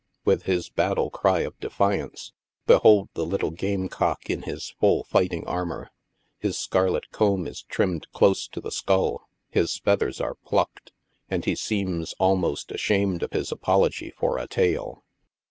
With his battle cry of defiance, behold the little game cock in his full fighting armor ! His scarlet comb i:: trimmed close to the skull ; his feathers are plucked, and he seems almost ashamed of his apol ogy for a tail.